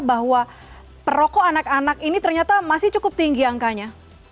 bahwa perokok anak anak ini ternyata masih cukup tinggi angkanya